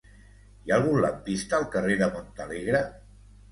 Hi ha algun lampista al carrer de Montalegre?